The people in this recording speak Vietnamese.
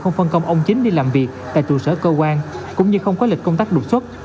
không phân công ông chính đi làm việc tại trụ sở cơ quan cũng như không có lịch công tác đột xuất